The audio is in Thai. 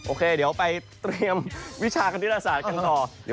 โอเคเดี๋ยวไปเตรียมวิชาคณิตศาสตร์กันต่อ